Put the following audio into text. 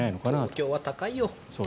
東京は高いよ。